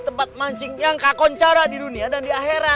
tempat mancing yang kakon cara di dunia dan di akhirat